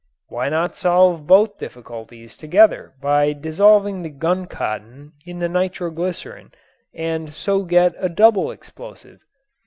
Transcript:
Why not solve both difficulties together by dissolving the guncotton in the nitroglycerin and so get a double explosive?